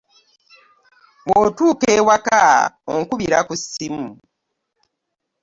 Wootuuka ewaka onkubira ku ssimu.